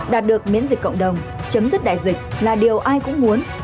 đạt được miễn dịch cộng đồng chấm dứt đại dịch là điều ai cũng muốn